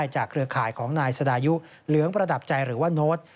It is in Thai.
เครือข่ายของนายสดายุเหลืองประดับใจหรือว่าโน้ต